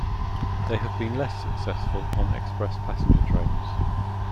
They have been less successful on express passenger trains.